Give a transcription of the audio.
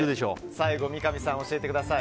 最後、三上さん教えてください。